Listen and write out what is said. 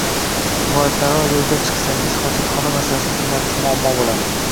Viloyatlararo yo‘lga chiqsangiz xojatxona masalasi birlamchi muammo bo‘ladi.